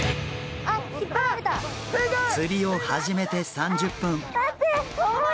釣りを始めて３０分。